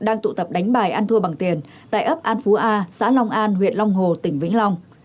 đang tụ tập đánh bài ăn thua bằng tiền tại ấp an phú a xã long an huyện long hồ tỉnh vĩnh long